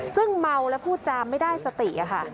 ซึ่งเมาและพูดจามไม่ได้สติค่ะ